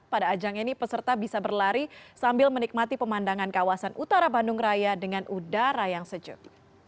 pada ajang ini peserta bisa berlari sambil menikmati pemandangan kawasan utara bandung raya dengan udara yang sejuk